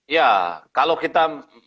ya kalau kita